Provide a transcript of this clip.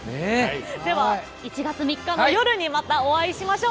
では１月３日の夜にまたお会いしましょう。